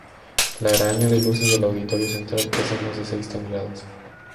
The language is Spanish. La araña de luces del auditorio central pesa más de seis toneladas.